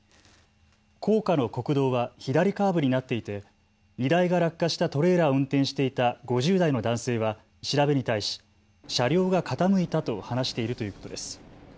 高架の国道は左カーブになっていて荷台が落下したトレーラーを運転していた５０代の男性は調べに対し、車両が傾いたと話しているということです。